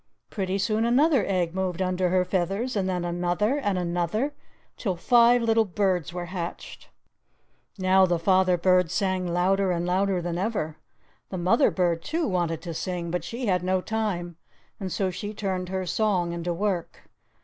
Pretty soon another egg moved under her feathers, and then another and another, till five little birds were hatched! Now the father bird sang louder and louder than ever. The mother bird, too, wanted to sing, but she had no time, and so she turned her song into work.